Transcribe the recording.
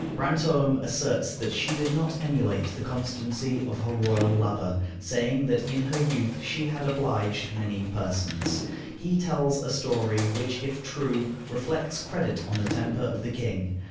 Brantome asserts that she did not emulate the constancy of her royal lover, saying that in her youth she had "obliged many persons." He tells a story which, if true, reflects credit on the temper of the king.